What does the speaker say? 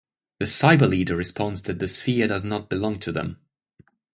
The Cyber Leader responds that the sphere does not belong to them.